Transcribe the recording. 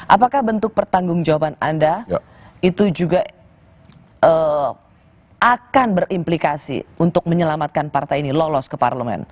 apakah bentuk pertanggung jawaban anda itu juga akan berimplikasi untuk menyelamatkan partai ini lolos ke parlemen